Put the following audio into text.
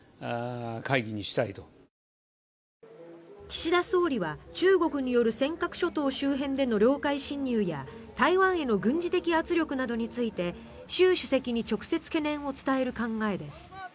岸田総理は中国による尖閣諸島周辺での領海侵入や台湾への軍事的圧力などについて習主席に直接、懸念を伝える考えです。